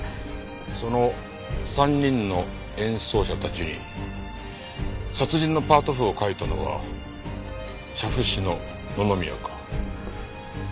その３人の演奏者たちに殺人のパート譜を書いたのは写譜師の野々宮か。